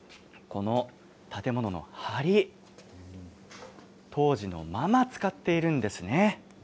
建物のはり、当時のまま使っているんです。